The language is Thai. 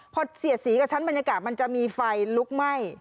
พอเสียดสีกับชั้นบรรยากาศมันจะมีไฟลุกไหม้